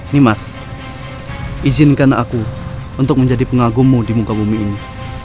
nih mas izinkan aku untuk menjadi pengagummu di muka bumi ini